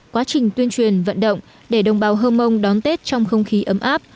quá trình tuyên truyền vận động để đồng bào hơ mông đón tết trong không khí ấm áp